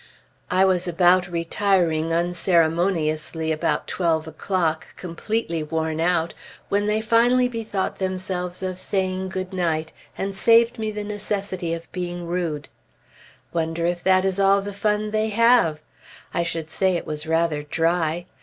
I was about retiring unceremoniously about twelve o'clock, completely worn out, when they finally bethought themselves of saying good night, and saved me the necessity of being rude. Wonder if that is all the fun they have? I should say it was rather dry.